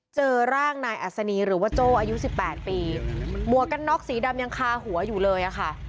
เจอร่างนายอัศนีหรือว่าโจ้อายุสิบแปดปีหมวกกันน็อกสีดำยังคาหัวอยู่เลยอะค่ะ